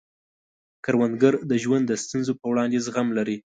کروندګر د ژوند د ستونزو په وړاندې زغم لري